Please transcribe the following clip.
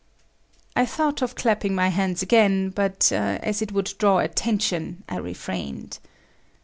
I thought of clapping my hands again, but as it would draw attention, I refrained.